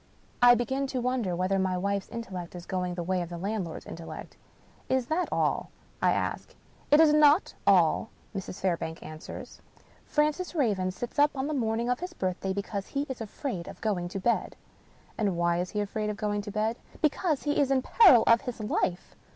I begin to wonder whether my wife's intellect is going the way of the landlord's intellect. " Is that all? " I ask. " It is not all," Mrs. Fairbank answers. " Francis Raven sits up on the morning pf his birthday because he is afraid to go to bed." " And why is he afraid to go to bed ?"" Because he is in peril of his life."